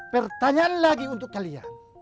pertanyaan lagi untuk kalian